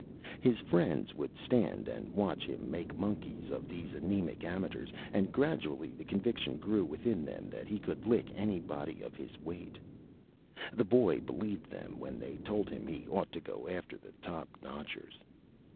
His friends would stand and watch him make Monkeys of these anæmic Amateurs, and gradually the Conviction grew within them that he could Lick anybody of his Weight. The Boy believed them when they told him he ought to go after the Top Notchers.